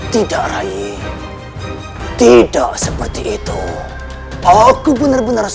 tidak raih tidak seperti itu aku benar benar